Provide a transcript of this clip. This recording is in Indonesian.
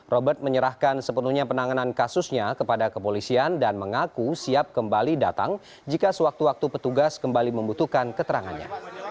robert menyerahkan sepenuhnya penanganan kasusnya kepada kepolisian dan mengaku siap kembali datang jika sewaktu waktu petugas kembali membutuhkan keterangannya